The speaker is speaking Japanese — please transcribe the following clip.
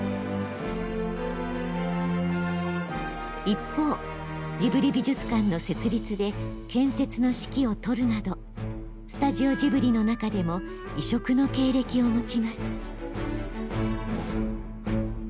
一方ジブリ美術館の設立で建設の指揮を執るなどスタジオジブリの中でも異色の経歴を持ちます。